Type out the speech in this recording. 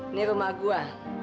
ini rumah gue